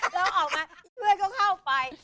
แล้วออกมาเพื่อนก็เข้าไป